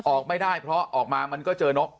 ออกไม่ได้เพราะออกมามันก็เจอนก